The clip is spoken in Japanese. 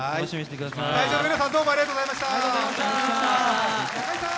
会場の皆さん、どうもありがとうございました。